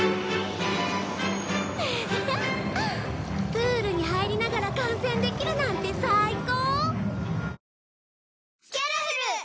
プールに入りながら観戦できるなんて最高！